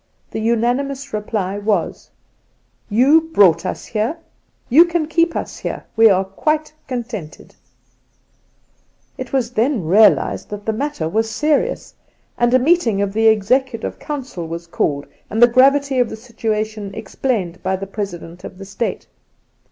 The unanimous reply was :' You brought us here. You can keep us here. We are quite contented,' It was then realized that the matter was serious, and a meeting of the Executive Council was called and the gravity of the situation explained by the President of the State.